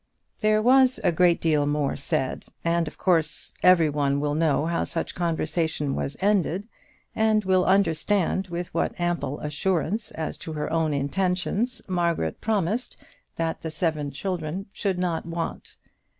There was a great deal more said, and of course everyone will know how such a conversation was ended, and will understand with what ample assurance as to her own intentions Margaret promised that the seven children should not want.